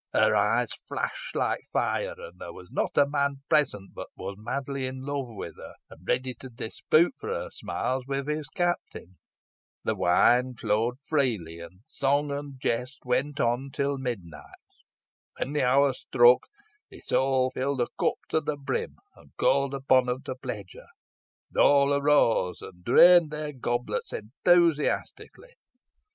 Her eyes flashed like fire, and there was not a man present but was madly in love with her, and ready to dispute for her smiles with his captain. "The wine flowed freely, and song and jest went on till midnight. When the hour struck, Isole filled a cup to the brim, and called upon them to pledge her. All arose, and drained their goblets enthusiastically.